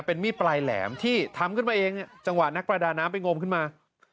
เป็นมีดปลายแหลมที่ทำขึ้นมาเองจังหวะนักประดาน้ำไปงมขึ้นมา